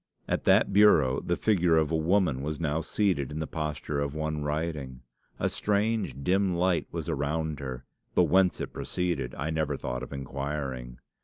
At that bureau the figure of a woman was now seated in the posture of one writing. A strange dim light was around her, but whence it proceeded I never thought of inquiring.